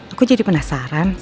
aku jadi penasaran